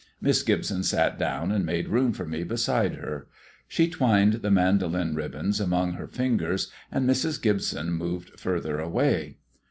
Miss Gibson sat down and made room for me beside her. She twined the mandolin ribbons among her fingers, and Mrs. Gibson moved further away.